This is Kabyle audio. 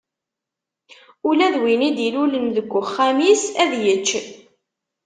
Ula d win i d-ilulen deg uxxam-is, ad yečč.